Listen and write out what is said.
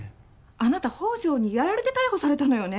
あなた宝条にやられて逮捕されたのよね